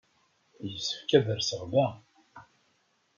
Yessefk ad rseɣ da.